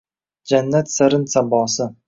Jannat sarrin sabosi.